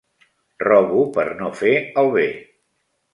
Robo per no fer el be.